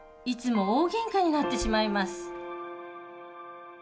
いつも大げんかになってしまいます